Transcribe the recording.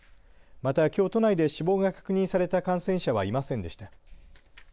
また、きょう都内で死亡が確認された感染者はいませんでした。